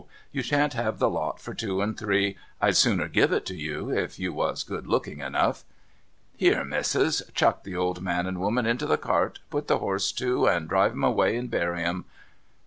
You shan't have the lot for two and three. I'd sooner give it to you, if you was good looking enough. Here ! Missis ! Chuck the old man and woman into the cart, put the horse to, and drive 'em away and bury 'em